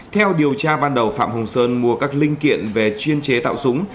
theo điều tra ban đầu phạm hồng sơn mua các linh kiện về chuyên chế tạo súng